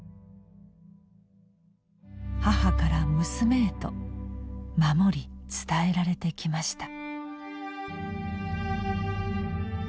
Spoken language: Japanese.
母から娘へと守り伝えられてきました。